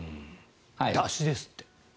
だしですって。